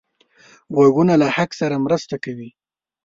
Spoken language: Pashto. غوږونه له حق سره مرسته کوي